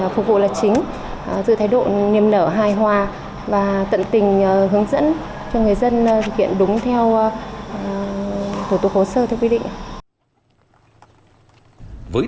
phục vụ là chính giữ thái độ niềm nở hài hòa và tận tình hướng dẫn cho người dân thực hiện đúng theo thủ tục hồ sơ theo quy định